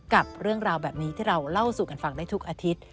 กับเรื่องราวแบบนี้ที่เราเล่าสู่กันฟังได้ทุกอาทิตย์